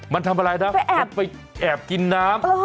มันทำอะไรนะมันไปแอบกินน้ำ